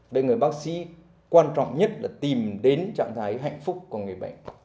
đây người bác sĩ quan trọng nhất là tìm đến trạng thái hạnh phúc của người bệnh